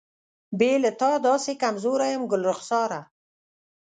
بې له تا داسې کمزوری یم ګلرخساره.